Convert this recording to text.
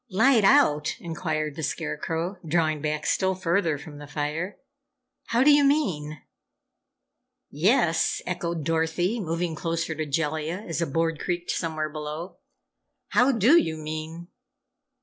"Light out?" inquired the Scarecrow, drawing back still further from the fire. "How do you mean?" "Yes," echoed Dorothy, moving closer to Jellia as a board creaked somewhere below. "How do you mean?"